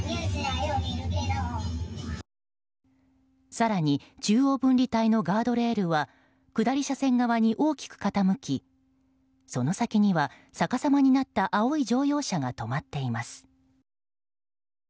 更に、中央分離帯のガードレールは下り車線側に大きく傾きその先には、さかさまになった青い乗用車が止まっています。